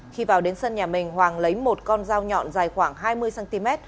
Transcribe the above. khi vào đến sân nhà mình hoàng lấy một con dao nhọn dài khoảng hai mươi cm